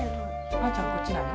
あーちゃんこっちなの？